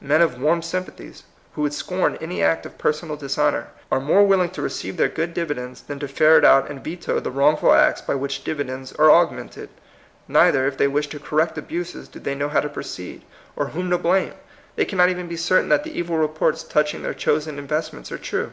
Men of warm sympathies, who would scorn any act of personal dishonor, are more willing to receive their good dividends than to ferret out and veto the wrongful acts by which dividends are augmented. Neither, if they wish to correct abuses, do they know how to proceed, or whom to POSSIBLE REVOLUTION. 169 blame; they cannot even be certain that the evil reports touching their chosen in vestments are true.